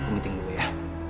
ngiting dulu ya